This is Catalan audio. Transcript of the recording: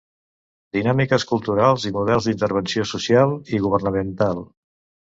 Dinàmiques culturals i models d'intervenció social i governamental.